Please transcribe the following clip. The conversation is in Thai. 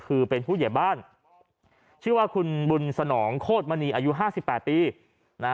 คือเป็นผู้ใหญ่บ้านชื่อว่าคุณบุญสนองโคตรมณีอายุห้าสิบแปดปีนะฮะ